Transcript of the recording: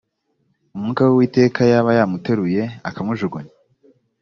umwuka w uwiteka yaba yamuteruye akamujugunya